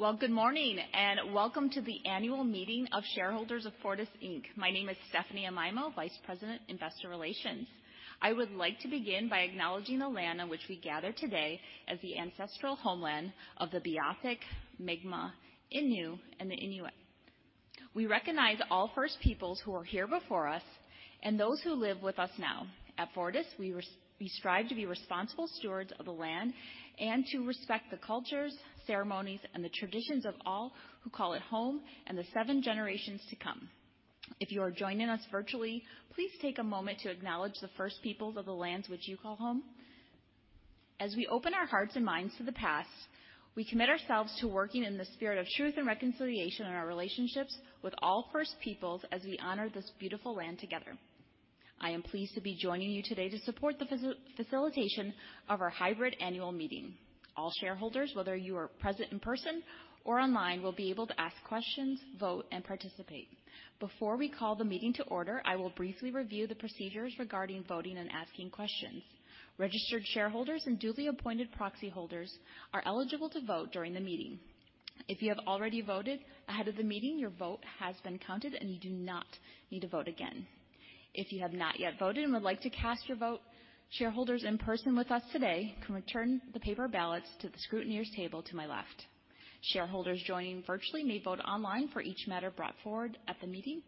Well, good morning and welcome to the annual meeting of shareholders of Fortis Inc. My name is Stephanie Amaimo, Vice President, Investor Relations. I would like to begin by acknowledging the land on which we gather today as the ancestral homeland of the Beothuk, Mi'kmaq, Innu and the Inuit. We recognize all First Peoples who were here before us and those who live with us now. At Fortis, we strive to be responsible stewards of the land and to respect the cultures, ceremonies, and the traditions of all who call it home and the seven generations to come. If you are joining us virtually, please take a moment to acknowledge the First Peoples of the lands which you call home. As we open our hearts and minds to the past, we commit ourselves to working in the spirit of truth and reconciliation in our relationships with all First Peoples as we honor this beautiful land together. I am pleased to be joining you today to support the facilitation of our hybrid annual meeting. All shareholders, whether you are present in person or online, will be able to ask questions, vote, and participate. Before we call the meeting to order, I will briefly review the procedures regarding voting and asking questions. Registered shareholders and duly appointed proxy holders are eligible to vote during the meeting. If you have already voted ahead of the meeting, your vote has been counted and you do not need to vote again. If you have not yet voted and would like to cast your vote, shareholders in person with us today can return the paper ballots to the scrutineer's table to my left. Shareholders joining virtually may vote online for each matter brought forward at the meeting.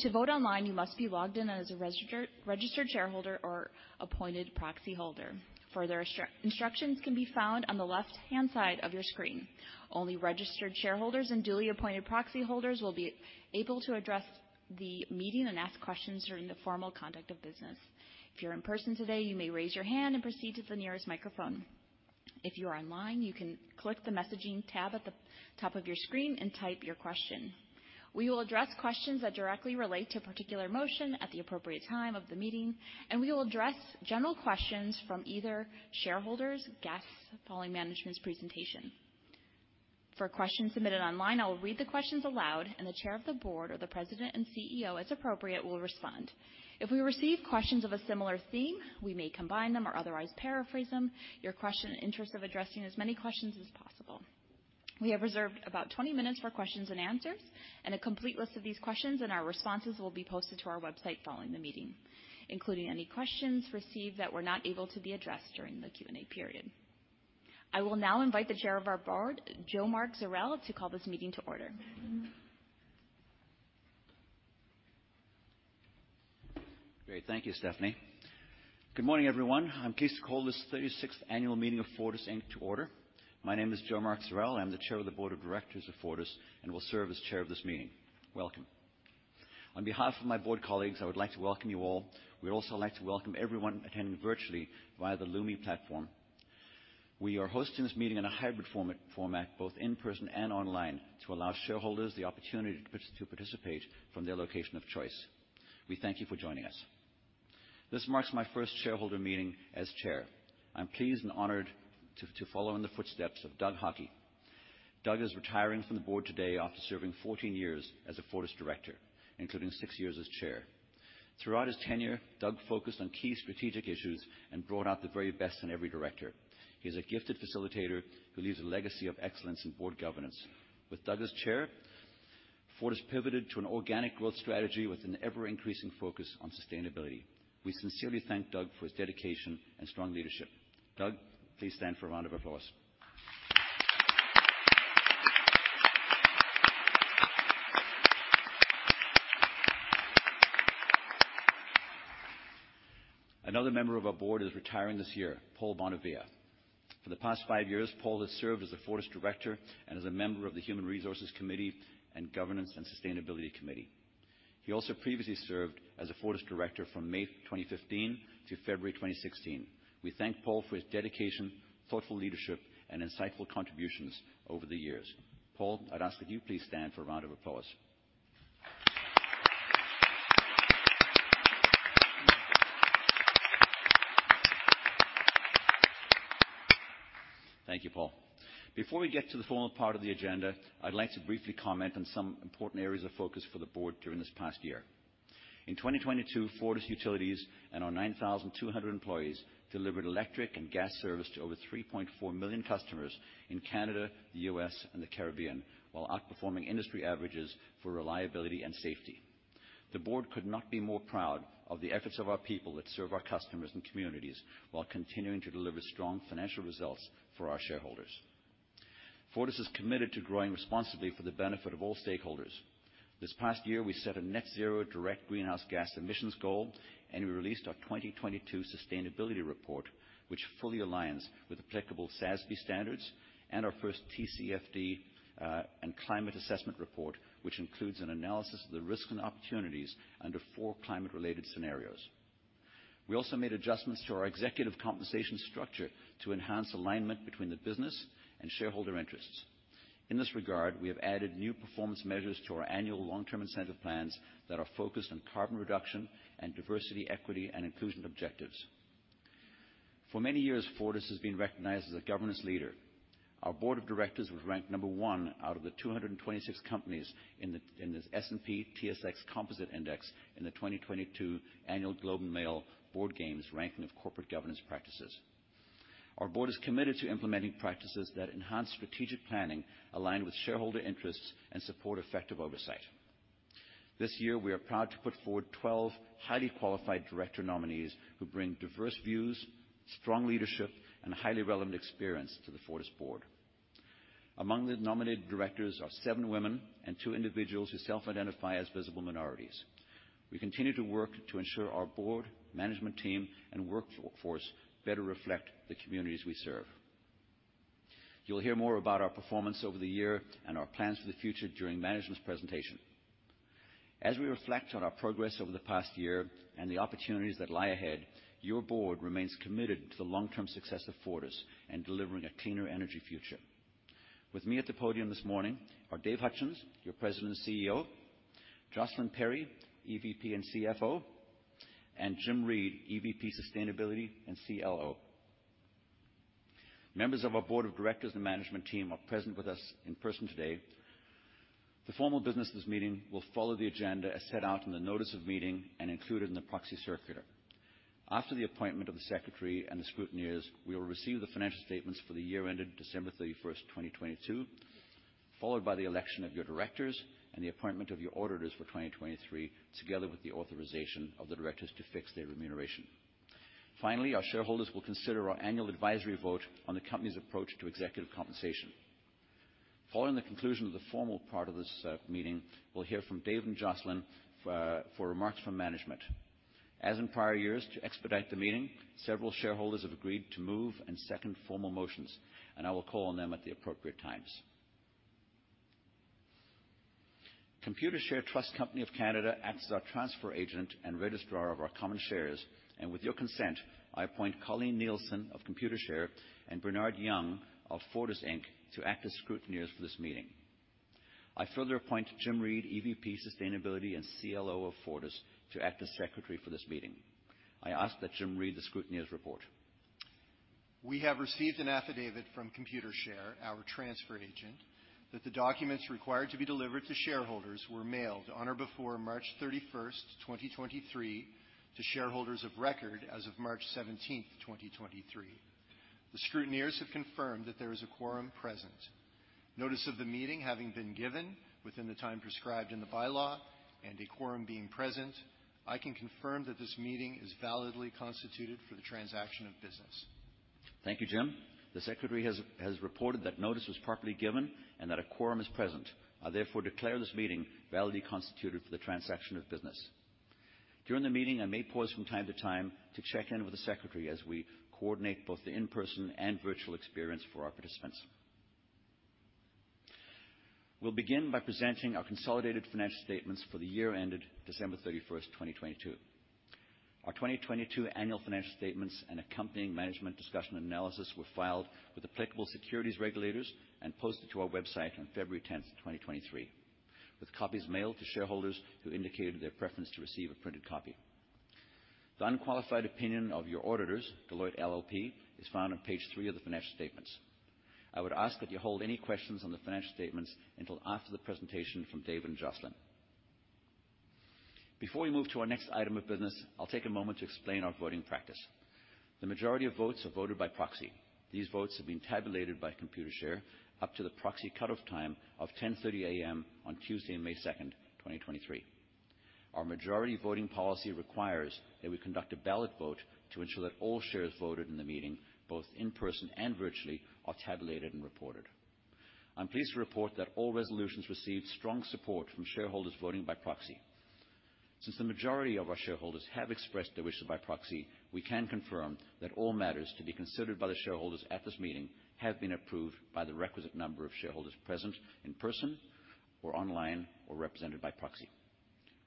To vote online, you must be logged in as a registered shareholder or appointed proxy holder. Further instructions can be found on the left-hand side of your screen. Only registered shareholders and duly appointed proxy holders will be able to address the meeting and ask questions during the formal conduct of business. If you're in person today, you may raise your hand and proceed to the nearest microphone. If you are online, you can click the messaging tab at the top of your screen and type your question. We will address questions that directly relate to a particular motion at the appropriate time of the meeting. We will address general questions from either shareholders, guests following management's presentation. For questions submitted online, I will read the questions aloud. The chair of the board or the president and CEO, as appropriate, will respond. If we receive questions of a similar theme, we may combine them or otherwise paraphrase them your question in interest of addressing as many questions as possible. We have reserved about 20 minutes for questions and answers. A complete list of these questions and our responses will be posted to our website following the meeting, including any questions received that were not able to be addressed during the Q&A period. I will now invite the chair of our board, Jo Mark Zurel, to call this meeting to order. Great. Thank you, Stephanie. Good morning, everyone. I'm pleased to call this 36th annual meeting of Fortis Inc to order. My name is Jo Mark Zurel. I'm the chair of the board of directors of Fortis and will serve as chair of this meeting. Welcome. On behalf of my board colleagues, I would like to welcome you all. We'd also like to welcome everyone attending virtually via the Lumi platform. We are hosting this meeting in a hybrid format, both in person and online, to allow shareholders the opportunity to participate from their location of choice. We thank you for joining us. This marks my first shareholder meeting as chair. I'm pleased and honored to follow in the footsteps of Doug Hockey. Doug is retiring from the board today after serving 14 years as a Fortis director, including six years as chair. Throughout his tenure, Doug focused on key strategic issues and brought out the very best in every director. He's a gifted facilitator who leaves a legacy of excellence in board governance. With Doug as chair, Fortis pivoted to an organic growth strategy with an ever-increasing focus on sustainability. We sincerely thank Doug for his dedication and strong leadership. Doug, please stand for a round of applause. Another member of our board is retiring this year, Paul Bonavia. For the past five years, Paul has served as a Fortis director and as a member of the Human Resources Committee and Governance and Sustainability Committee. He also previously served as a Fortis director from May 2015 to February 2016. We thank Paul for his dedication, thoughtful leadership, and insightful contributions over the years. Paul, I'd ask that you please stand for a round of applause. Thank you, Paul. Before we get to the formal part of the agenda, I'd like to briefly comment on some important areas of focus for the board during this past year. In 2022, Fortis utilities and our 9,200 employees delivered electric and gas service to over 3.4 million customers in Canada, the U.S., and the Caribbean, while outperforming industry averages for reliability and safety. The board could not be more proud of the efforts of our people that serve our customers and communities while continuing to deliver strong financial results for our shareholders. Fortis is committed to growing responsibly for the benefit of all stakeholders. This past year, we set a net zero direct greenhouse gas emissions goal. We released our 2022 sustainability report, which fully aligns with applicable SASB standards and our first TCFD and climate assessment report, which includes an analysis of the risks and opportunities under four climate-related scenarios. We also made adjustments to our executive compensation structure to enhance alignment between the business and shareholder interests. In this regard, we have added new performance measures to our annual long-term incentive plans that are focused on carbon reduction and diversity, equity, and inclusion objectives. For many years, Fortis has been recognized as a governance leader. Our board of directors was ranked number 1 out of the 226 companies in the S&P/TSX Composite Index in the 2022 annual Globe and Mail Board Games ranking of corporate governance practices. Our Board is committed to implementing practices that enhance strategic planning, align with shareholder interests, and support effective oversight. This year, we are proud to put forward 12 highly qualified director nominees who bring diverse views, strong leadership, and highly relevant experience to the Fortis Board. Among the nominated directors are seven women and two individuals who self-identify as visible minorities. We continue to work to ensure our Board, management team, and workforce better reflect the communities we serve. You'll hear more about our performance over the year and our plans for the future during management's presentation. As we reflect on our progress over the past year and the opportunities that lie ahead, your Board remains committed to the long-term success of Fortis and delivering a cleaner energy future. With me at the podium this morning are Dave Hutchens, your President and CEO, Jocelyn Perry, EVP and CFO, and Jim Reid, EVP Sustainability and CLO. Members of our board of directors and management team are present with us in person today. The formal business this meeting will follow the agenda as set out in the notice of meeting and included in the proxy circular. After the appointment of the secretary and the scrutineers, we will receive the financial statements for the year ended December 31st, 2022, followed by the election of your directors and the appointment of your auditors for 2023, together with the authorization of the directors to fix their remuneration. Finally, our shareholders will consider our annual advisory vote on the company's approach to executive compensation. Following the conclusion of the formal part of this meeting, we'll hear from Dave and Jocelyn for remarks from management. As in prior years, to expedite the meeting, several shareholders have agreed to move and second formal motions, and I will call on them at the appropriate times. Computershare Trust Company of Canada acts as our transfer agent and registrar of our common shares, and with your consent, I appoint Colleen Nielsen of Computershare and Bernard Young of Fortis Inc. to act as scrutineers for this meeting. I further appoint Jim Reid, EVP Sustainability and CLO of Fortis, to act as Secretary for this meeting. I ask that Jim read the scrutineer's report. We have received an affidavit from Computershare, our transfer agent, that the documents required to be delivered to shareholders were mailed on or before March 31st, 2023 to shareholders of record as of March 17th, 2023. The scrutineers have confirmed that there is a quorum present. Notice of the meeting having been given within the time prescribed in the bylaw and a quorum being present, I can confirm that this meeting is validly constituted for the transaction of business. Thank you, Jim. The Secretary has reported that notice was properly given and that a quorum is present. I therefore declare this meeting validly constituted for the transaction of business. During the meeting, I may pause from time to time to check in with the Secretary as we coordinate both the in-person and virtual experience for our participants. We'll begin by presenting our consolidated financial statements for the year ended December 31st, 2022. Our 2022 annual financial statements and accompanying management discussion and analysis were filed with applicable securities regulators and posted to our website on February 10th, 2023, with copies mailed to shareholders who indicated their preference to receive a printed copy. The unqualified opinion of your auditors, Deloitte LLP, is found on page three of the financial statements. I would ask that you hold any questions on the financial statements until after the presentation from Dave and Jocelyn. Before we move to our next item of business, I'll take a moment to explain our voting practice. The majority of votes are voted by proxy. These votes have been tabulated by Computershare up to the proxy cut-off time of 10:30 A.M. on Tuesday, May 2nd, 2023. Our majority voting policy requires that we conduct a ballot vote to ensure that all shares voted in the meeting, both in person and virtually, are tabulated and reported. I'm pleased to report that all resolutions received strong support from shareholders voting by proxy. Since the majority of our shareholders have expressed their wishes by proxy, we can confirm that all matters to be considered by the shareholders at this meeting have been approved by the requisite number of shareholders present in person or online, or represented by proxy.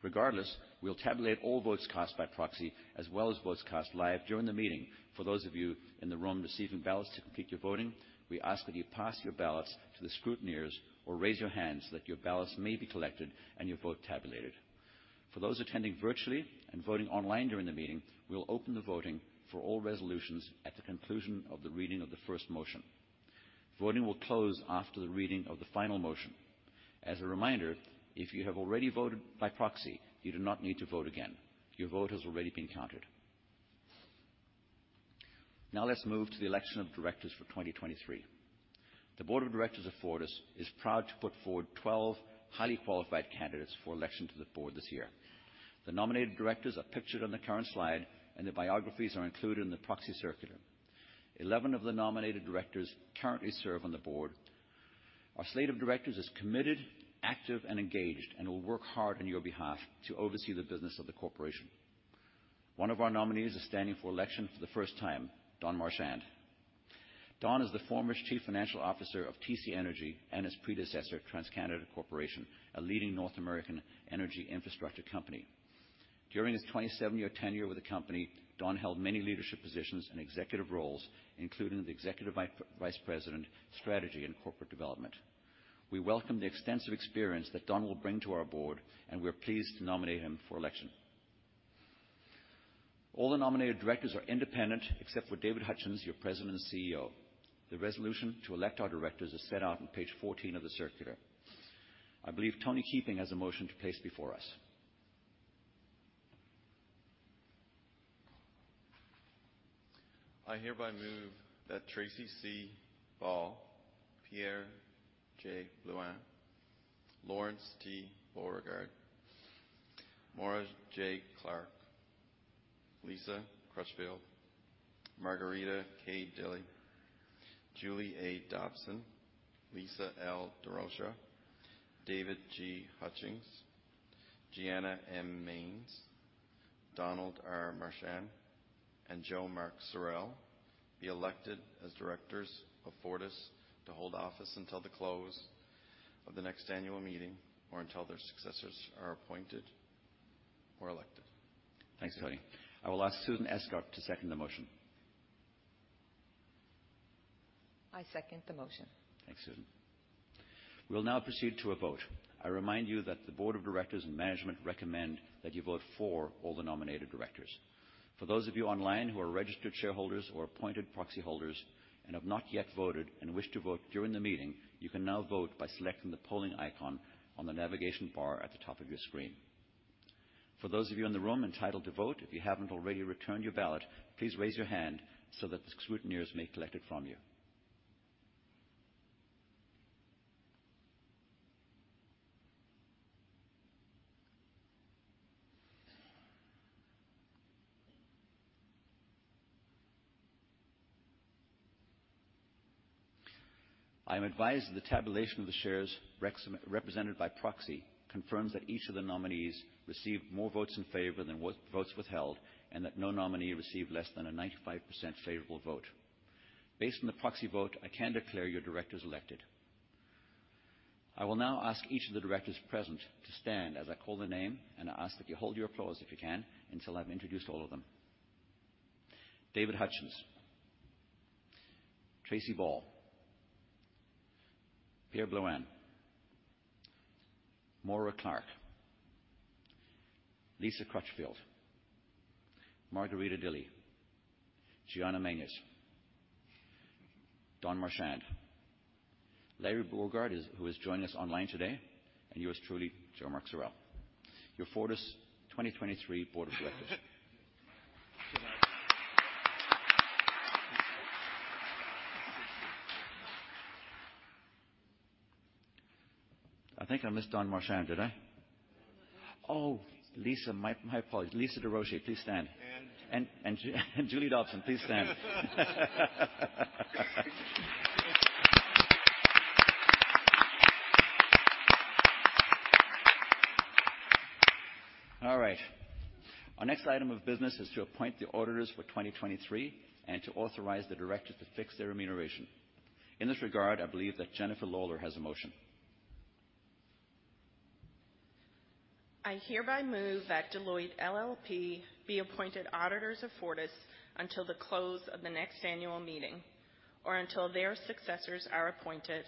Regardless, we'll tabulate all votes cast by proxy as well as votes cast live during the meeting. For those of you in the room receiving ballots to complete your voting, we ask that you pass your ballots to the scrutineers or raise your hands that your ballots may be collected and your vote tabulated. For those attending virtually and voting online during the meeting, we'll open the voting for all resolutions at the conclusion of the reading of the first motion. Voting will close after the reading of the final motion. As a reminder, if you have already voted by proxy, you do not need to vote again. Your vote has already been counted. Let's move to the election of directors for 2023. The board of directors of Fortis is proud to put forward 12 highly qualified candidates for election to the board this year. The nominated directors are pictured on the current slide, and their biographies are included in the proxy circular. 11 of the nominated directors currently serve on the board. Our slate of directors is committed, active and engaged, and will work hard on your behalf to oversee the business of the corporation. 1 of our nominees is standing for election for the first time, Don Marchand. Don is the former Chief Financial Officer of TC Energy and his predecessor, TransCanada Corporation, a leading North American energy infrastructure company. During his 27 year tenure with the company, Don held many leadership positions and executive roles, including the Executive Vice President, Strategy and Corporate Development. We welcome the extensive experience that Don will bring to our Board, and we're pleased to nominate him for election. All the nominated directors are independent, except for David Hutchens, your President and CEO. The resolution to elect our directors is set out on page 14 of the circular. I believe Anthony Keeping has a motion to place before us. I hereby move that Tracey C. Ball, Pierre J. Blouin, Lawrence T. Borgard, Maura J. Clark, Lisa Crutchfield, Margarita K. Dilley, Julie A. Dobson, Lisa L. Durocher, David G. Hutchens, Gianna M. Manes, Donald R. Marchand, and Jo Mark Zurel be elected as directors of Fortis to hold office until the close of the next annual meeting or until their successors are appointed or elected. Thanks, Anthony. I will ask Susan Escott to second the motion. I second the motion. Thanks, Susan. We'll now proceed to a vote. I remind you that the board of directors and management recommend that you vote for all the nominated directors. For those of you online who are registered shareholders or appointed proxy holders and have not yet voted and wish to vote during the meeting, you can now vote by selecting the Polling icon on the navigation bar at the top of your screen. For those of you in the room entitled to vote, if you haven't already returned your ballot, please raise your hand so that the scrutineers may collect it from you. I am advised that the tabulation of the shares represented by proxy confirms that each of the nominees received more votes in favor than what votes withheld, and that no nominee received less than a 95% favorable vote. Based on the proxy vote, I can declare your directors elected. I will now ask each of the directors present to stand as I call their name and I ask that you hold your applause, if you can, until I've introduced all of them. David Hutchens. Tracey Ball. Pierre J. Blouin. Maura Clark. Lisa Crutchfield. Margarita Dilley. Gianna Manes. Don Marchand. Lawrence T. Borgard, who is joining us online today, and yours truly, Jo Mark Zurel. Your Fortis 2023 board of directors. I think I missed Don Marchand, did I? Oh, Lisa. My, my apologies. Lisa Durocher, please stand. And Julie Dobson, please stand. All right. Our next item of business is to appoint the auditors for 2023 and to authorize the directors to fix their remuneration. In this regard, I believe that Jennifer Lawlor has a motion. I hereby move that Deloitte LLP be appointed auditors of Fortis until the close of the next annual meeting or until their successors are appointed,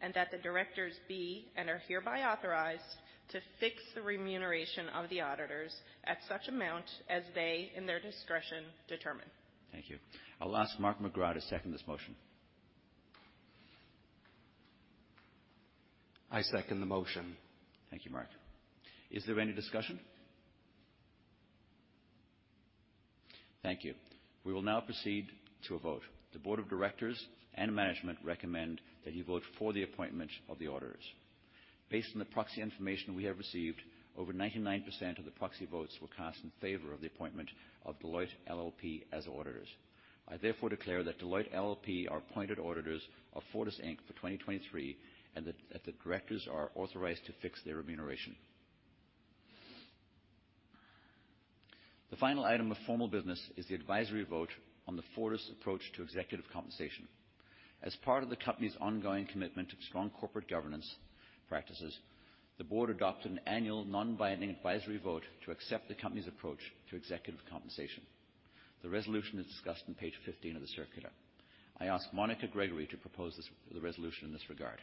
and that the directors be, and are hereby authorized, to fix the remuneration of the auditors at such amount as they, in their discretion, determine. Thank you. I'll ask Mark McGrath to second this motion. I second the motion. Thank you, Mark. Is there any discussion? Thank you. We will now proceed to a vote. The board of directors and management recommend that you vote for the appointment of the auditors. Based on the proxy information we have received, over 99% of the proxy votes were cast in favor of the appointment of Deloitte LLP as auditors. I therefore declare that Deloitte LLP are appointed auditors of Fortis Inc for 2023 and that the directors are authorized to fix their remuneration. The final item of formal business is the advisory vote on the Fortis approach to executive compensation. As part of the company's ongoing commitment to strong corporate governance practices, the board adopted an annual non-binding advisory vote to accept the company's approach to executive compensation. The resolution is discussed on page 15 of the circular. I ask Monica Gregory to propose this, the resolution in this regard.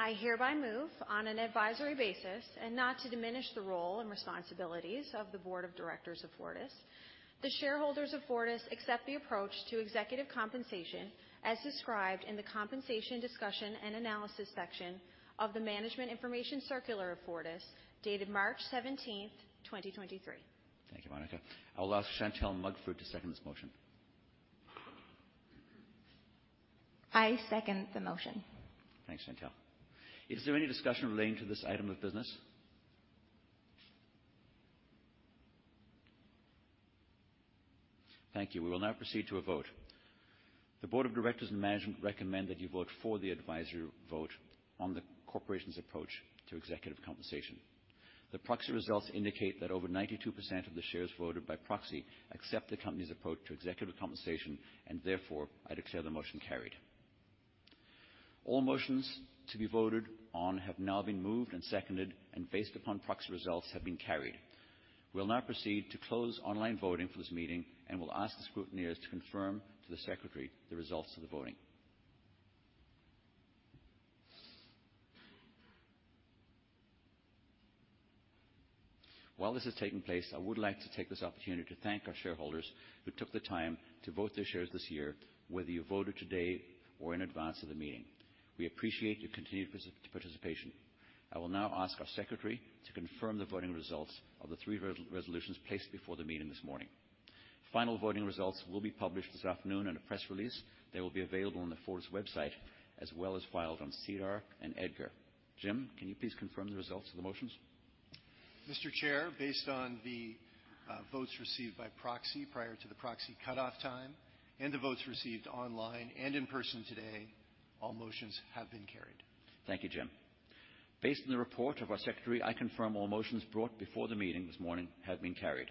I hereby move on an advisory basis and not to diminish the role and responsibilities of the board of directors of Fortis. The shareholders of Fortis accept the approach to executive compensation as described in the compensation discussion and analysis section of the Management Information Circular of Fortis, dated March 17, 2023. Thank you, Monica Gregory. I'll ask Chantelle Mugford to second this motion. I second the motion. Thanks, Chantelle. Is there any discussion relating to this item of business? Thank you. We will now proceed to a vote. The board of directors and management recommend that you vote for the advisory vote on the corporation's approach to executive compensation. The proxy results indicate that over 92% of the shares voted by proxy accept the company's approach to executive compensation, and therefore, I declare the motion carried. All motions to be voted on have now been moved and seconded, and based upon proxy results, have been carried. We'll now proceed to close online voting for this meeting and will ask the scrutineers to confirm to the secretary the results of the voting. While this is taking place, I would like to take this opportunity to thank our shareholders who took the time to vote their shares this year, whether you voted today or in advance of the meeting. We appreciate your continued participation. I will now ask our secretary to confirm the voting results of the three resolutions placed before the meeting this morning. Final voting results will be published this afternoon in a press release. They will be available on the Fortis website, as well as filed on SEDAR and EDGAR. Jim, can you please confirm the results of the motions? Mr. Chair, based on the votes received by proxy prior to the proxy cutoff time and the votes received online and in person today, all motions have been carried. Thank you, Jim. Based on the report of our secretary, I confirm all motions brought before the meeting this morning have been carried.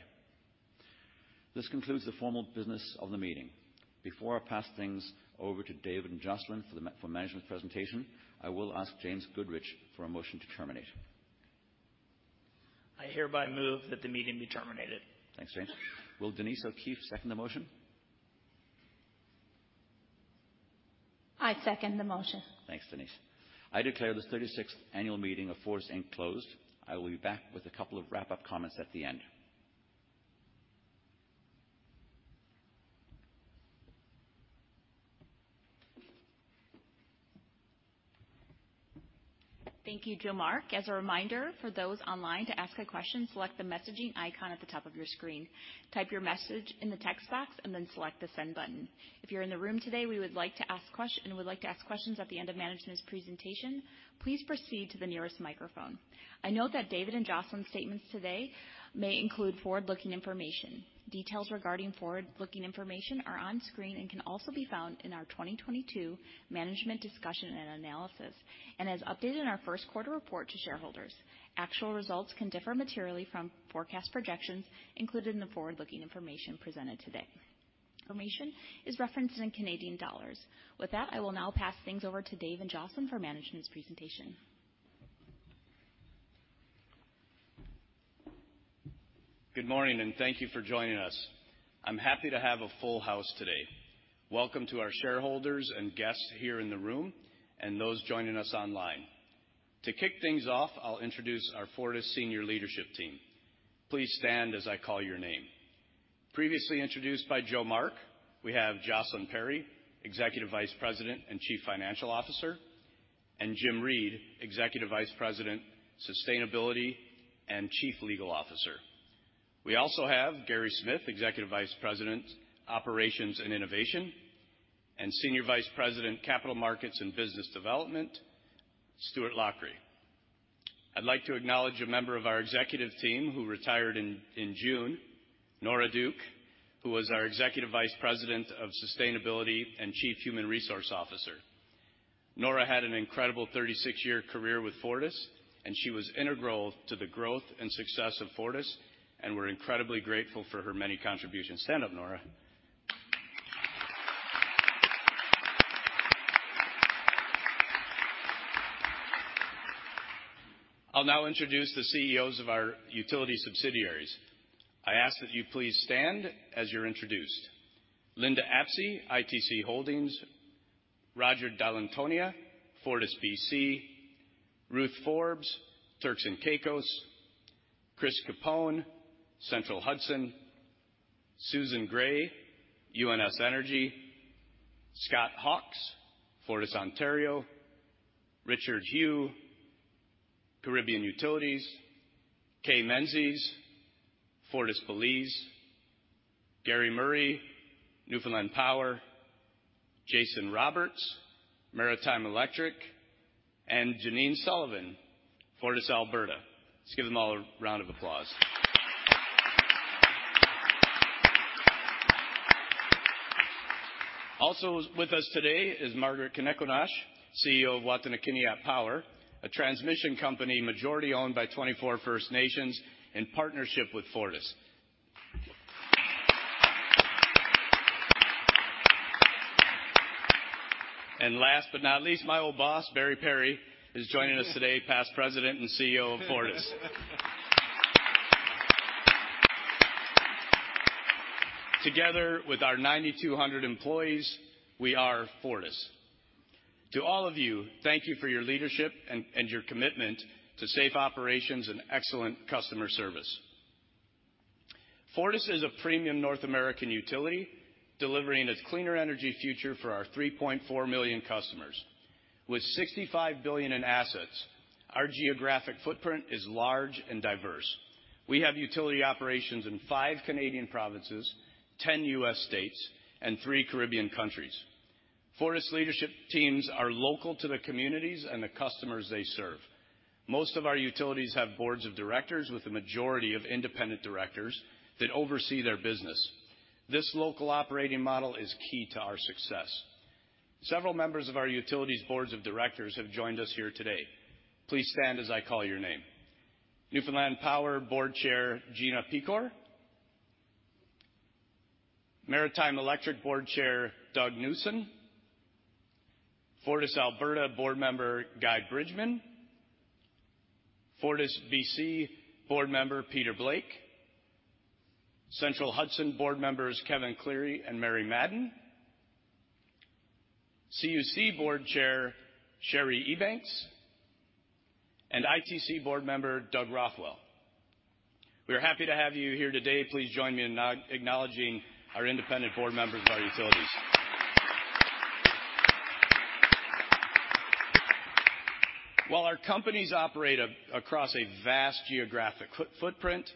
This concludes the formal business of the meeting. Before I pass things over to David and Jocelyn for the management presentation, I will ask Jason Goodrich for a motion to terminate. I hereby move that the meeting be terminated. Thanks, Jason. Will Denise O'Keefe second the motion? I second the motion. Thanks, Denise. I declare this 36th annual meeting of Fortis Inc. closed. I will be back with a couple of wrap-up comments at the end. Thank you, Jo Mark. As a reminder, for those online, to ask a question, select the messaging icon at the top of your screen. Type your message in the text box, and then select the Send button. If you're in the room today, we would like to ask questions at the end of management's presentation, please proceed to the nearest microphone. I note that David and Jocelyn's statements today may include forward-looking information. Details regarding forward-looking information are on screen and can also be found in our 2022 management discussion and analysis and as updated in our first quarter report to shareholders. Actual results can differ materially from forecast projections included in the forward-looking information presented today. Information is referenced in Canadian dollars. With that, I will now pass things over to Dave and Jocelyn for management's presentation. Good morning, thank you for joining us. I'm happy to have a full house today. Welcome to our shareholders and guests here in the room and those joining us online. To kick things off, I'll introduce our Fortis senior leadership team. Please stand as I call your name. Previously introduced by Jo Mark Zurel, we have Jocelyn Perry, Executive Vice President and Chief Financial Officer, and Jim Reid, Executive Vice President, Sustainability and Chief Legal Officer. We also have Gary Smith, Executive Vice President, Operations and Innovation, and Senior Vice President, Capital Markets and Business Development, Stuart Lochray. I'd like to acknowledge a member of our executive team who retired in June, Nora Duke, who was our Executive Vice President of Sustainability and Chief Human Resource Officer. Nora had an incredible 36-year career with Fortis, she was integral to the growth and success of Fortis, we're incredibly grateful for her many contributions. Stand up, Nora. I'll now introduce the CEOs of our utility subsidiaries. I ask that you please stand as you're introduced. Linda Apsey, ITC Holdings. Roger Dall'Antonia, FortisBC. Ruth Forbes, Turks and Caicos. Chris Capone, Central Hudson. Susan Gray, UNS Energy. Scott Hawkes, FortisOntario. Richard Hew, Caribbean Utilities. Kay Menzies, Fortis Belize. Gary Murray, Newfoundland Power. Jason Roberts, Maritime Electric. Janine Sullivan, FortisAlberta. Let's give them all a round of applause. Also with us today is Margaret Kenequanash, CEO of Wataynikaneyap Power, a transmission company majority-owned by 24 First Nations in partnership with Fortis. Last but not least, my old boss, Barry Perry, is joining us today, past President and CEO of Fortis. Together with our 9,200 employees, we are Fortis. To all of you, thank you for your leadership and your commitment to safe operations and excellent customer service. Fortis is a premium North American utility delivering a cleaner energy future for our 3.4 million customers. With 65 billion in assets, our geographic footprint is large and diverse. We have utility operations in five Canadian provinces, 10 U.S. states, and three Caribbean countries. Fortis leadership teams are local to the communities and the customers they serve. Most of our utilities have boards of directors with the majority of independent directors that oversee their business. This local operating model is key to our success. Several members of our utilities boards of directors have joined us here today. Please stand as I call your name. Newfoundland Power Board Chair, Gina Pecore. Maritime Electric Board Chair, Doug Newson. FortisAlberta Board Member, Guy Bridgeman. FortisBC Board Member, Peter Blake. Central Hudson Board Members, Kevin Cleary and Mary Madden. CUC Board Chair, Sheree Ebanks. ITC Board Member, Doug Rothwell. We are happy to have you here today. Please join me in acknowledging our independent board members of our utilities. While our companies operate across a vast geographic footprint,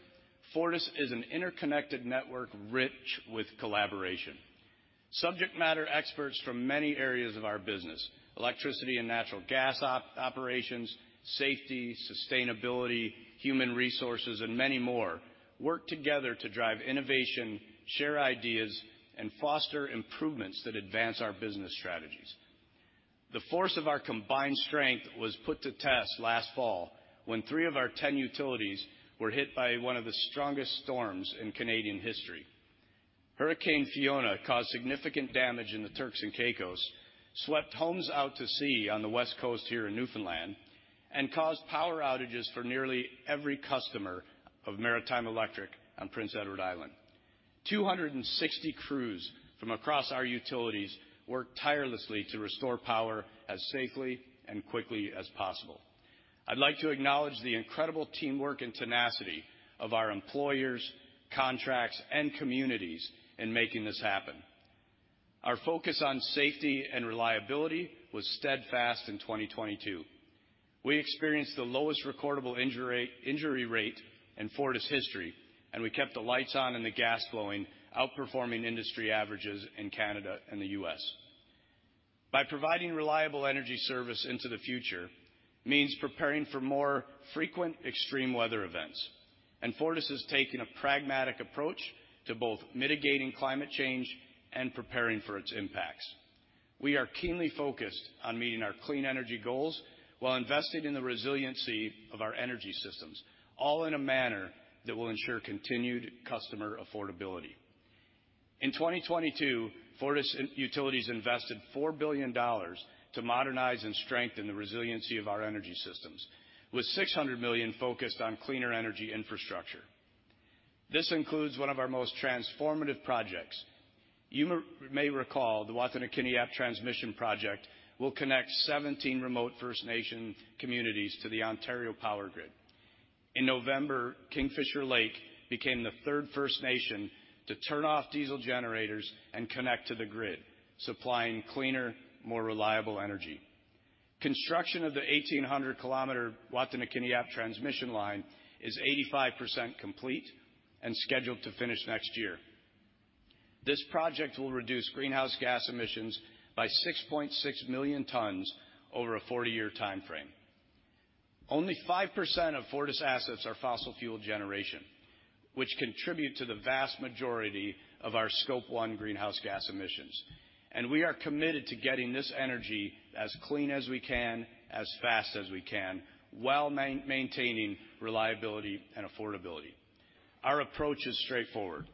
Fortis is an interconnected network rich with collaboration. Subject matter experts from many areas of our business, electricity and natural gas operations, safety, sustainability, human resources, and many more work together to drive innovation, share ideas, and foster improvements that advance our business strategies. The force of our combined strength was put to test last fall when three of our 10 utilities were hit by one of the strongest storms in Canadian history. Hurricane Fiona caused significant damage in the Turks and Caicos, swept homes out to sea on the west coast here in Newfoundland, and caused power outages for nearly every customer of Maritime Electric on Prince Edward Island. 260 crews from across our utilities worked tirelessly to restore power as safely and quickly as possible. I'd like to acknowledge the incredible teamwork and tenacity of our employers, contracts, and communities in making this happen. Our focus on safety and reliability was steadfast in 2022. We experienced the lowest recordable injury rate in Fortis history. We kept the lights on and the gas flowing, outperforming industry averages in Canada and the US. By providing reliable energy service into the future means preparing for more frequent extreme weather events. Fortis has taken a pragmatic approach to both mitigating climate change and preparing for its impacts. We are keenly focused on meeting our clean energy goals while investing in the resiliency of our energy systems, all in a manner that will ensure continued customer affordability. In 2022, Fortis and utilities invested 4 billion dollars to modernize and strengthen the resiliency of our energy systems, with 600 million focused on cleaner energy infrastructure. This includes one of our most transformative projects. You may recall the Wataynikaneyap Transmission Project will connect 17 remote First Nation communities to the Ontario power grid. In November, Kingfisher Lake became the third First Nation to turn off diesel generators and connect to the grid, supplying cleaner, more reliable energy. Construction of the 1,800 kilometer Wataynikaneyap transmission line is 85% complete and scheduled to finish next year. This project will reduce greenhouse gas emissions by 6.6 million tons over a 40-year timeframe. Only 5% of Fortis assets are fossil fuel generation, which contribute to the vast majority of our Scope 1 greenhouse gas emissions. We are committed to getting this energy as clean as we can, as fast as we can, while maintaining reliability and affordability. Our approach is straightforward.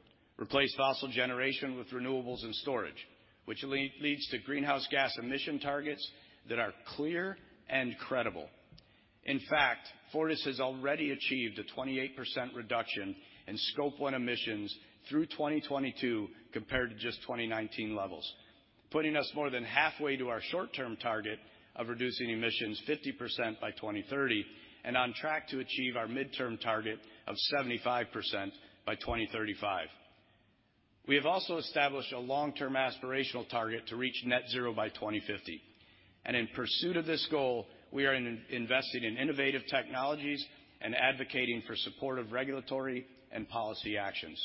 Replace fossil generation with renewables and storage, which leads to greenhouse gas emission targets that are clear and credible. In fact, Fortis has already achieved a 28% reduction in Scope 1 emissions through 2022 compared to just 2019 levels, putting us more than halfway to our short-term target of reducing emissions 50% by 2030 and on track to achieve our midterm target of 75% by 2035. We have also established a long-term aspirational target to reach net zero by 2050. In pursuit of this goal, we are investing in innovative technologies and advocating for supportive regulatory and policy actions.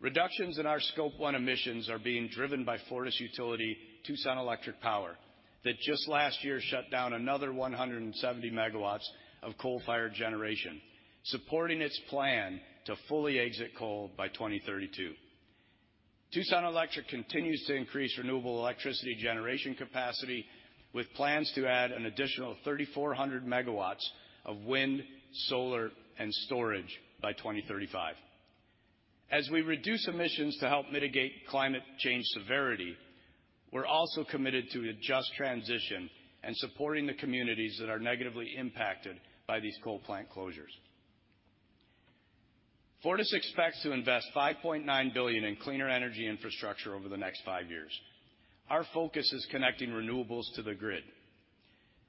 Reductions in our Scope 1 emissions are being driven by Fortis Utility Tucson Electric Power that just last year shut down another 170 MW of coal-fired generation, supporting its plan to fully exit coal by 2032. Tucson Electric continues to increase renewable electricity generation capacity with plans to add an additional 3,400 MWof wind, solar, and storage by 2035. As we reduce emissions to help mitigate climate change severity, we're also committed to a just transition and supporting the communities that are negatively impacted by these coal plant closures. Fortis expects to invest $5.9 billion in cleaner energy infrastructure over the next five years. Our focus is connecting renewables to the grid.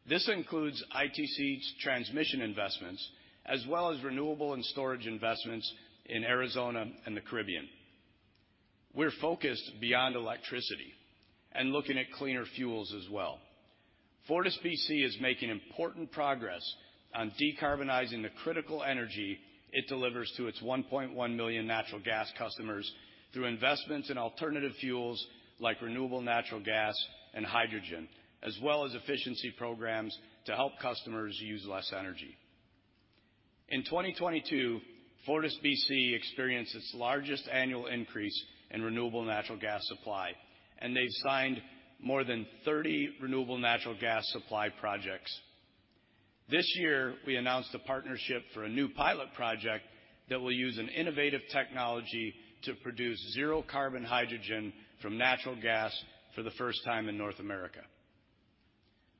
This includes ITC's transmission investments as well as renewable and storage investments in Arizona and the Caribbean. We're focused beyond electricity and looking at cleaner fuels as well. FortisBC is making important progress on decarbonizing the critical energy it delivers to its 1.1 million natural gas customers through investments in alternative fuels like renewable natural gas and hydrogen, as well as efficiency programs to help customers use less energy. In 2022, FortisBC experienced its largest annual increase in renewable natural gas supply, they signed more than 30 renewable natural gas supply projects. This year, we announced a partnership for a new pilot project that will use an innovative technology to produce zero carbon hydrogen from natural gas for the first time in North America.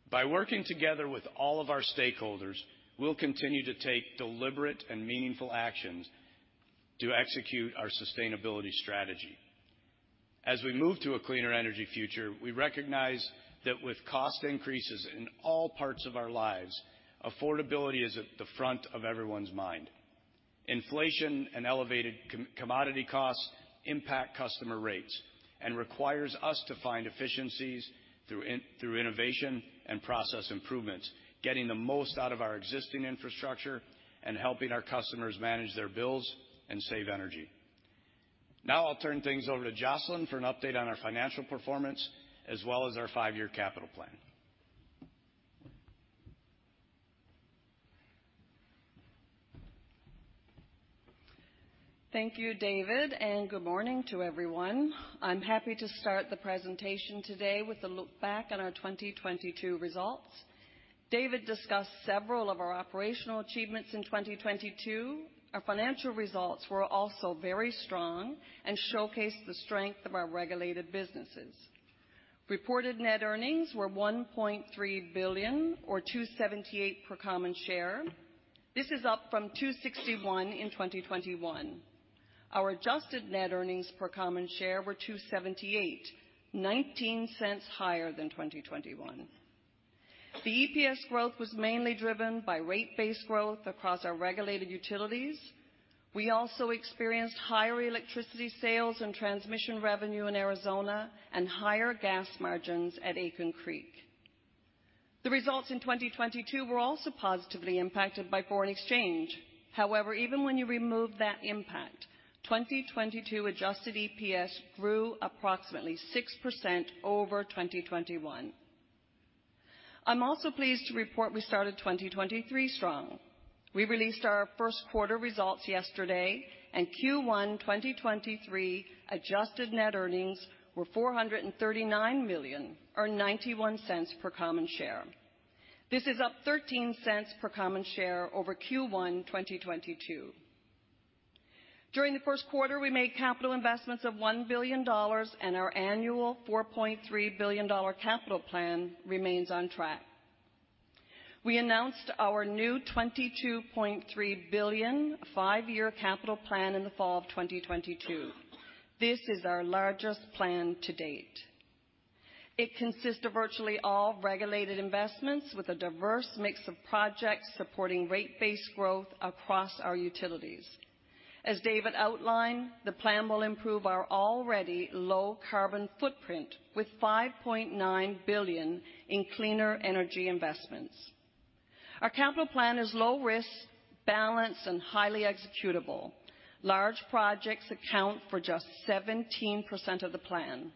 By working together with all of our stakeholders, we'll continue to take deliberate and meaningful actions to execute our sustainability strategy. As we move to a cleaner energy future, we recognize that with cost increases in all parts of our lives, affordability is at the front of everyone's mind. Inflation and elevated commodity costs impact customer rates and requires us to find efficiencies through innovation and process improvements, getting the most out of our existing infrastructure and helping our customers manage their bills and save energy. Now I'll turn things over to Jocelyn for an update on our financial performance as well as our five-year capital plan. Thank you, David. Good morning to everyone. I'm happy to start the presentation today with a look back on our 2022 results. David discussed several of our operational achievements in 2022. Our financial results were also very strong and showcased the strength of our regulated businesses. Reported net earnings were 1.3 billion or 2.78 per common share. This is up from 2.61 in 2021. Our adjusted net earnings per common share were 2.78, 0.19 higher than 2021. The EPS growth was mainly driven by rate-based growth across our regulated utilities. We also experienced higher electricity sales and transmission revenue in Arizona and higher gas margins at Aitken Creek. The results in 2022 were also positively impacted by foreign exchange. Even when you remove that impact, 2022 adjusted EPS grew approximately 6% over 2021. I'm also pleased to report we started 2023 strong. We released our first quarter results yesterday and Q1 2023 adjusted net earnings were 439 million or 0.91 per common share. This is up 0.13 per common share over Q1 2022. During the first quarter, we made capital investments of 1 billion dollars and our annual 4.3 billion dollar capital plan remains on track. We announced our new 22.3 billion five-year capital plan in the fall of 2022. This is our largest plan to date. It consists of virtually all regulated investments with a diverse mix of projects supporting rate-based growth across our utilities. As David outlined, the plan will improve our already low carbon footprint with 5.9 billion in cleaner energy investments. Our capital plan is low risk, balanced and highly executable. Large projects account for just 17% of the plan.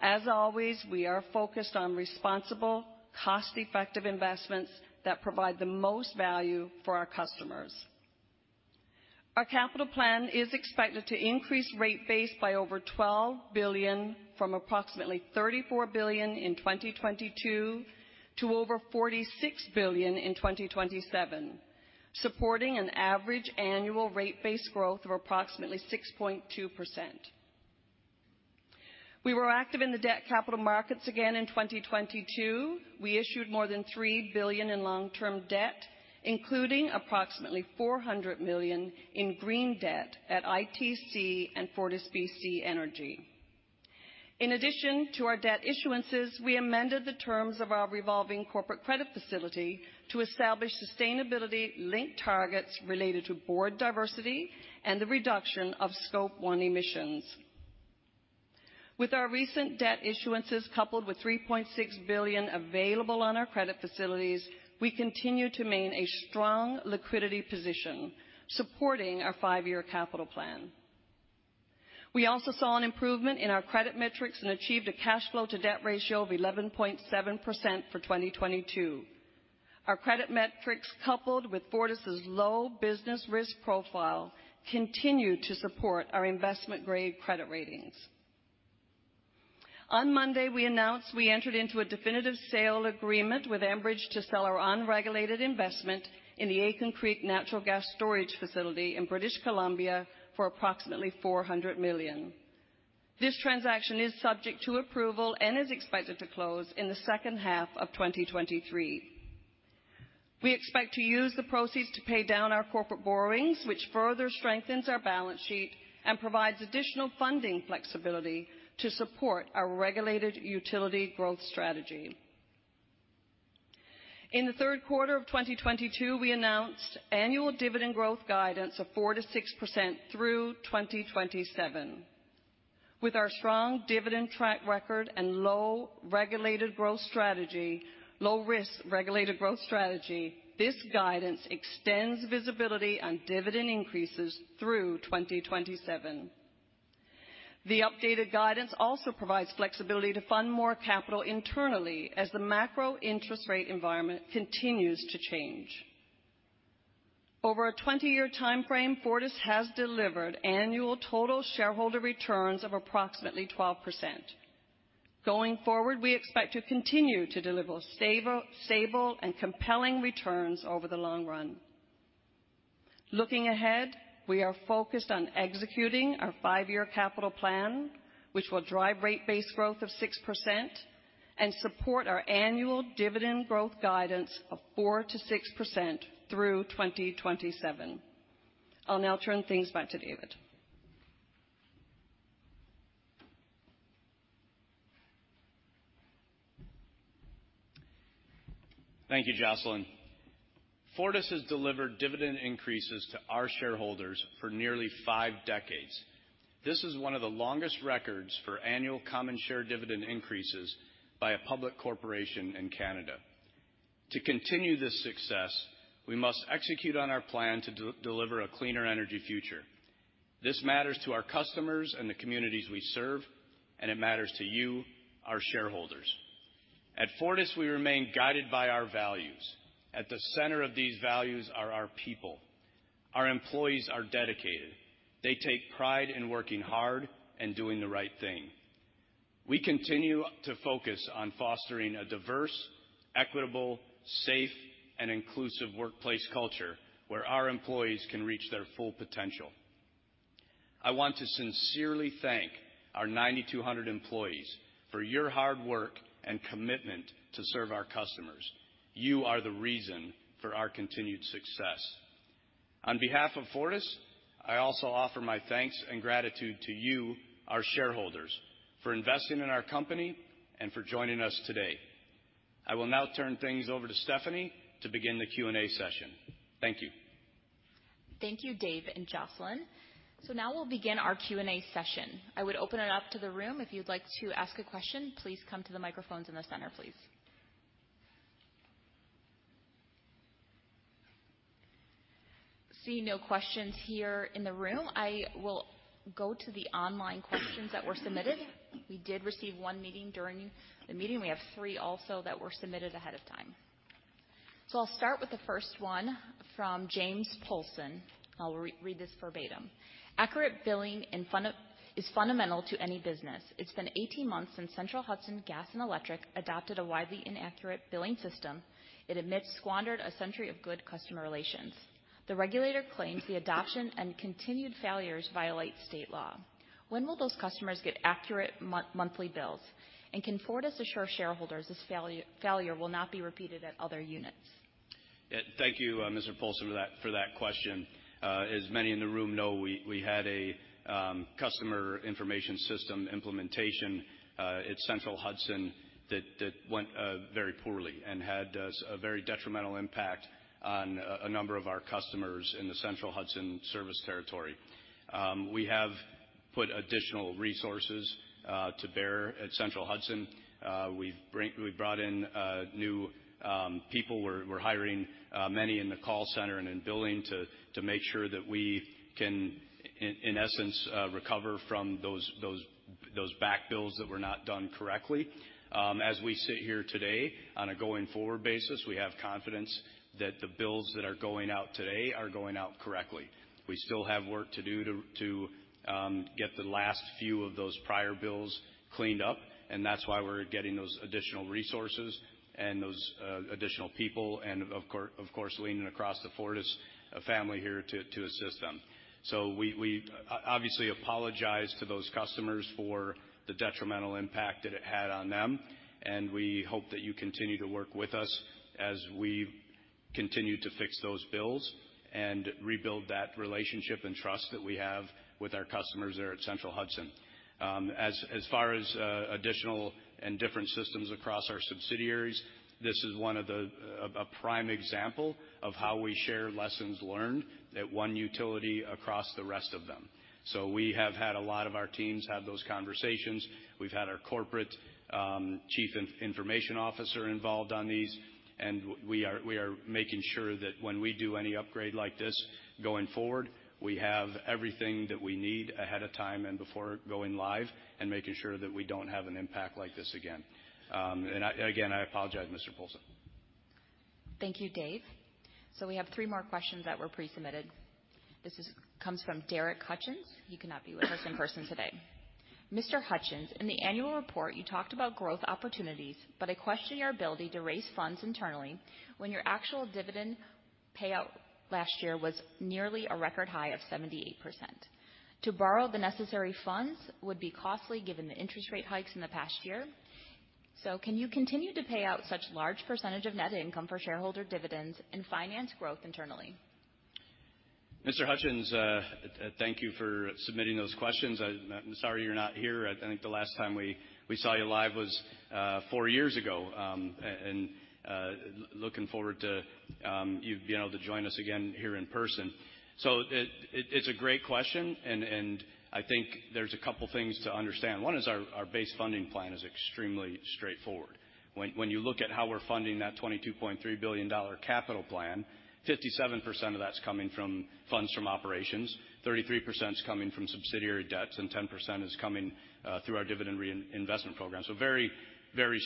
As always, we are focused on responsible, cost-effective investments that provide the most value for our customers. Our capital plan is expected to increase rate base by over CAD 12 billion from approximately CAD 34 billion in 2022 to over CAD 46 billion in 2027, supporting an average annual rate base growth of approximately 6.2%. We were active in the debt capital markets again in 2022. We issued more than 3 billion in long-term debt, including approximately 400 million in green debt at ITC and FortisBC Energy. In addition to our debt issuances, we amended the terms of our revolving corporate credit facility to establish sustainability-linked targets related to board diversity and the reduction of Scope 1 emissions. With our recent debt issuances, coupled with $3.6 billion available on our credit facilities, we continue to maintain a strong liquidity position supporting our five-year capital plan. We also saw an improvement in our credit metrics and achieved a cash flow to debt ratio of 11.7% for 2022. Our credit metrics, coupled with Fortis' low business risk profile, continue to support our investment grade credit ratings. On Monday, we announced we entered into a definitive sale agreement with Enbridge to sell our unregulated investment in the Aitken Creek natural gas storage facility in British Columbia for approximately $400 million. This transaction is subject to approval and is expected to close in the second half of 2023. We expect to use the proceeds to pay down our corporate borrowings, which further strengthens our balance sheet and provides additional funding flexibility to support our regulated utility growth strategy. In the third quarter of 2022, we announced annual dividend growth guidance of 4%-6% through 2027. With our strong dividend track record and low risk regulated growth strategy, this guidance extends visibility on dividend increases through 2027. The updated guidance also provides flexibility to fund more capital internally as the macro interest rate environment continues to change. Over a 20-year time frame, Fortis has delivered annual total shareholder returns of approximately 12%. Going forward, we expect to continue to deliver stable and compelling returns over the long run. Looking ahead, we are focused on executing our five-year capital plan, which will drive rate base growth of 6% and support our annual dividend growth guidance of 4%-6% through 2027. I'll now turn things back to David. Thank you, Jocelyn. Fortis has delivered dividend increases to our shareholders for nearly five decades. This is one of the longest records for annual common share dividend increases by a public corporation in Canada. To continue this success, we must execute on our plan to deliver a cleaner energy future. This matters to our customers and the communities we serve, and it matters to you, our shareholders. At Fortis, we remain guided by our values. At the center of these values are our people. Our employees are dedicated. They take pride in working hard and doing the right thing. We continue to focus on fostering a diverse, equitable, safe, and inclusive workplace culture where our employees can reach their full potential. I want to sincerely thank our 9,200 employees for your hard work and commitment to serve our customers. You are the reason for our continued success. On behalf of Fortis, I also offer my thanks and gratitude to you, our shareholders, for investing in our company and for joining us today. I will now turn things over to Stephanie to begin the Q&A session. Thank you. Thank you, Dave and Jocelyn Perry. Now we'll begin our Q&A session. I would open it up to the room. If you'd like to ask a question, please come to the microphones in the center, please. Seeing no questions here in the room, I will go to the online questions that were submitted. We did receive 1 meeting during the meeting. We have 3 also that were submitted ahead of time. I'll start with the 1st one from James Poulson. I'll re-read this verbatim. Accurate billing is fundamental to any business. It's been 18 months since Central Hudson Gas & Electric adopted a widely inaccurate billing system. It admits squandered a century of good customer relations. The regulator claims the adoption and continued failures violate state law. When will those customers get accurate monthly bills? Can Fortis assure shareholders this failure will not be repeated at other units? Thank you, Mr. Poulson, for that question. As many in the room know, we had a customer information system implementation at Central Hudson that went very poorly and had a very detrimental impact on a number of our customers in the Central Hudson service territory. We have put additional resources to bear at Central Hudson. We've brought in new people. We're hiring many in the call center and in billing to make sure that we can in essence recover from those back bills that were not done correctly. As we sit here today, on a going-forward basis, we have confidence that the bills that are going out today are going out correctly. We still have work to do to get the last few of those prior bills cleaned up, and that's why we're getting those additional resources and those additional people and of course, leaning across the Fortis family here to assist them. We obviously apologize to those customers for the detrimental impact that it had on them, and we hope that you continue to work with us as we continue to fix those bills and rebuild that relationship and trust that we have with our customers there at Central Hudson. As far as additional and different systems across our subsidiaries, a prime example of how we share lessons learned at one utility across the rest of them. We have had a lot of our teams have those conversations. We've had our corporate, Chief Information Officer involved on these, we are making sure that when we do any upgrade like this going forward, we have everything that we need ahead of time and before going live and making sure that we don't have an impact like this again. again, I apologize, Mr. Poulson. Thank you, Dave. We have three more questions that were pre-submitted. This comes from David Hutchens. He could not be with us in person today. Mr. Hutchens, in the annual report, you talked about growth opportunities, but I question your ability to raise funds internally when your actual dividend payout last year was nearly a record high of 78%. To borrow the necessary funds would be costly given the interest rate hikes in the past year. Can you continue to pay out such large percentage of net income for shareholder dividends and finance growth internally? Mr. Hutchens, thank you for submitting those questions. I'm sorry you're not here. I think the last time we saw you live was four years ago, and looking forward to you being able to join us again here in person. It's a great question, and I think there's a couple things to understand. One is our base funding plan is extremely straightforward. When you look at how we're funding that $22.3 billion capital plan, 57% of that's coming from funds from operations, 33% is coming from subsidiary debts, and 10% is coming through our dividend re-investment program. Very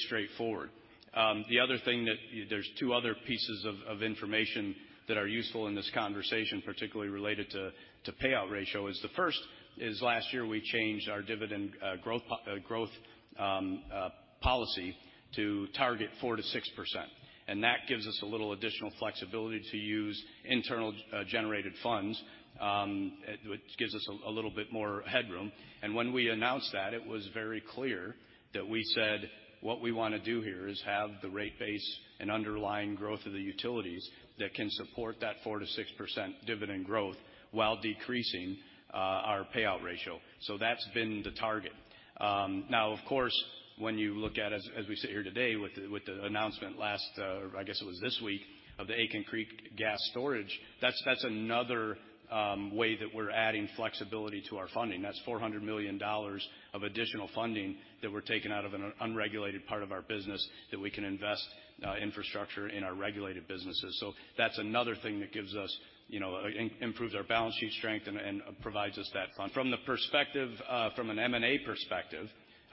straightforward. The other thing that there's two other pieces of information that are useful in this conversation, particularly related to payout ratio, is the first is last year we changed our dividend policy to target 4%-6%, and that gives us a little additional flexibility to use internal generated funds, which gives us a little bit more headroom. When we announced that, it was very clear that we said what we wanna do here is have the rate base and underlying growth of the utilities that can support that 4%-6% dividend growth while decreasing our payout ratio. That's been the target. Now of course, when you look at as we sit here today with the announcement last or I guess it was this week of the Aitken Creek Gas Storage, that's another way that we're adding flexibility to our funding. That's 400 million dollars of additional funding that we're taking out of an unregulated part of our business that we can invest infrastructure in our regulated businesses. That's another thing that gives us, you know, improves our balance sheet strength and provides us that fund. From the perspective, from an M&A perspective,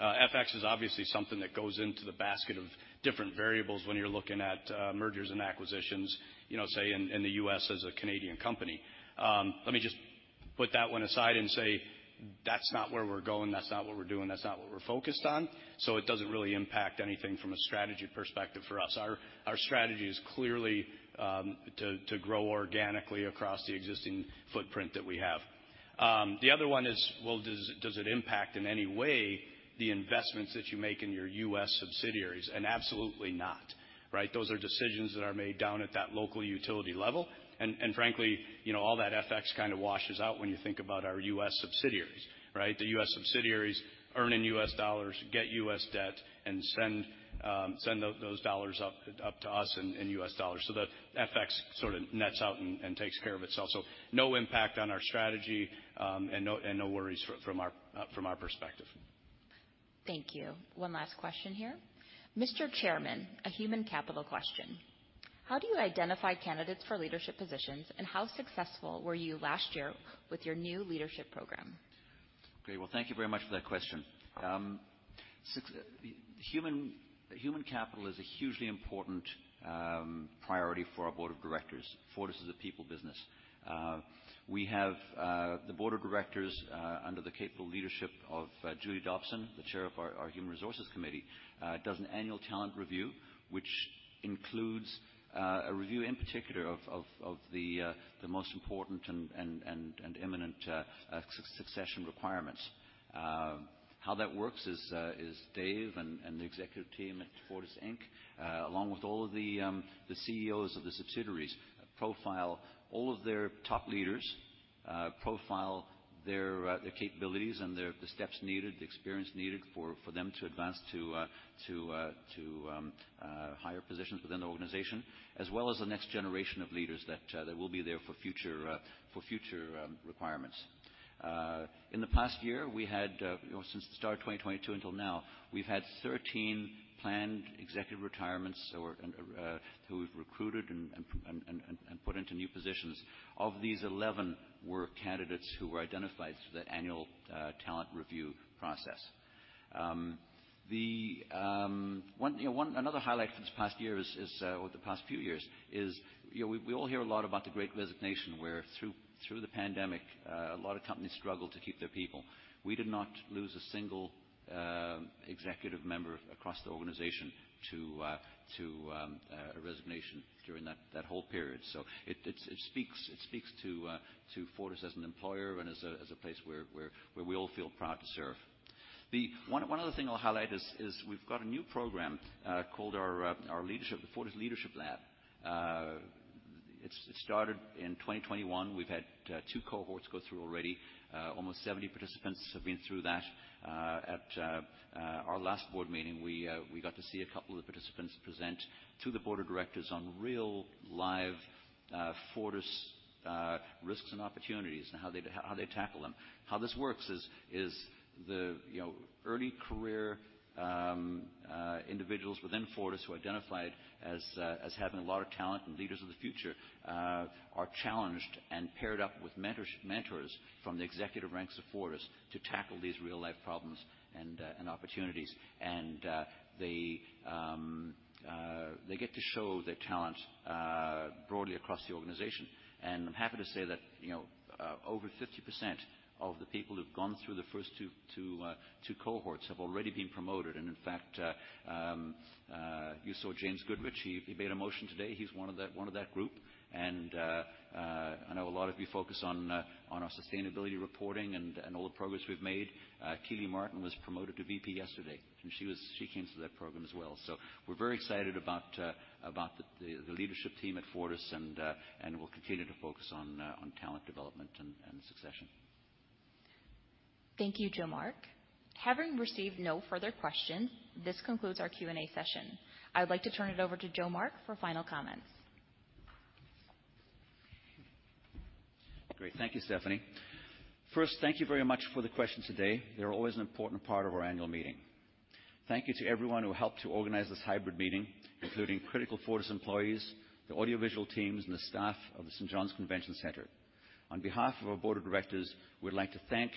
FX is obviously something that goes into the basket of different variables when you're looking at mergers and acquisitions, you know, say in the U.S. as a Canadian company. Let me just put that one aside and say that's not where we're going, that's not what we're doing, that's not what we're focused on. It doesn't really impact anything from a strategy perspective for us. Our strategy is clearly to grow organically across the existing footprint that we have. The other one is, well, does it impact in any way the investments that you make in your US subsidiaries? Absolutely not, right? Those are decisions that are made down at that local utility level. Frankly, you know, all that FX kind of washes out when you think about our US subsidiaries, right? The US subsidiaries earn in US dollars, get US debt, and send those dollars up to us in US dollars. The FX sort of nets out and takes care of itself. No impact on our strategy, and no worries from our perspective. Thank you. One last question here. Mr. Chairman, a human capital question. How do you identify candidates for leadership positions, and how successful were you last year with your new leadership program? Well, thank you very much for that question. Human capital is a hugely important priority for our Board of Directors. Fortis is a people business. We have the Board of Directors, under the capable leadership of Julie Dobson, the Chair of our Human Resources Committee, does an annual talent review, which includes a review in particular of the most important and imminent succession requirements. How that works is Dave and the executive team at Fortis Inc., along with all of the CEOs of the subsidiaries profile all of their top leaders, profile their capabilities and their... the steps needed, the experience needed for them to advance to higher positions within the organization, as well as the next generation of leaders that will be there for future requirements. In the past year, we had, you know, since the start of 2022 until now, we've had 13 planned executive retirements or, and who we've recruited and put into new positions. Of these, 11 were candidates who were identified through the annual talent review process. The, you know, another highlight from this past year is, or the past few years is, you know, we all hear a lot about the great resignation, where through the pandemic, a lot of companies struggled to keep their people. We did not lose a single executive member across the organization to a resignation during that whole period. It speaks to Fortis as an employer and as a place where we all feel proud to serve. One other thing I'll highlight is we've got a new program called our leadership, the Fortis Leadership Lab. It started in 2021. We've had two cohorts go through already. Almost 70 participants have been through that. At our last board meeting, we got to see a couple of the participants present to the board of directors on real live Fortis risks and opportunities and how they tackle them. How this works is the, you know, early career individuals within Fortis who are identified as having a lot of talent and leaders of the future are challenged and paired up with mentors from the executive ranks of Fortis to tackle these real-life problems and opportunities. They get to show their talent broadly across the organization. I'm happy to say that, you know, over 50% of the people who've gone through the first two cohorts have already been promoted. In fact, you saw James Goodrich, he made a motion today. He's one of that group. I know a lot of you focus on our sustainability reporting and all the progress we've made. Kealey Martin was promoted to VP yesterday, and she came through that program as well. We're very excited about the leadership team at Fortis and we'll continue to focus on talent development and succession. Thank you, Jo Mark. Having received no further questions, this concludes our Q&A session. I would like to turn it over to Jo Mark for final comments. Great. Thank you, Stephanie. Thank you very much for the questions today. They're always an important part of our annual meeting. Thank you to everyone who helped to organize this hybrid meeting, including critical Fortis employees, the audiovisual teams, and the staff of the St. John's Convention Center. On behalf of our board of directors, we'd like to thank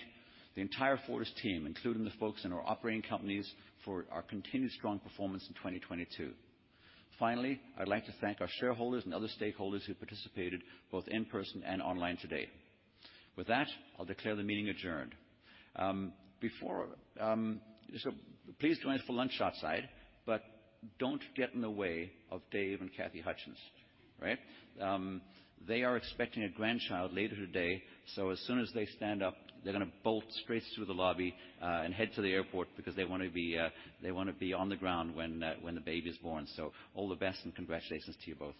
the entire Fortis team, including the folks in our operating companies, for our continued strong performance in 2022. I'd like to thank our shareholders and other stakeholders who participated both in person and online today. With that, I'll declare the meeting adjourned. Please join us for lunch outside, but don't get in the way of Dave Hutchens and Kathy Hutchens, right? They are expecting a grandchild later today, so as soon as they stand up, they're gonna bolt straight through the lobby, and head to the airport because they wanna be, they wanna be on the ground when the baby is born. All the best and congratulations to you both.